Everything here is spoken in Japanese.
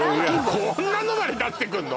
こんなのまで出してくんの？